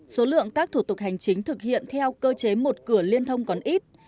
số lượng các thủ tục hành chính thực hiện theo cơ chế một cửa liên thông còn ít